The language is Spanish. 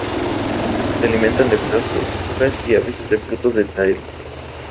Se alimentan de pastos, hojas y a veces de frutos de talas.